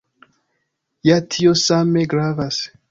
Ja tio same gravas.